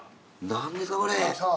何ですかこれ！